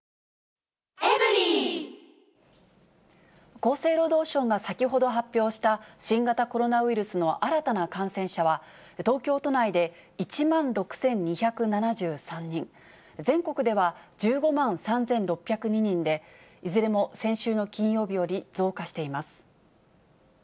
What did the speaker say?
厚生労働省が先ほど発表した新型コロナウイルスの新たな感染者は、東京都内で１万６２７３人、全国では１５万３６０２人で、いずれも先週の金曜日より増加しています。